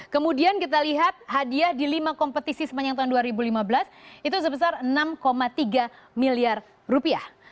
kemudian kita lihat hadiah di lima kompetisi sepanjang tahun dua ribu lima belas itu sebesar enam tiga miliar rupiah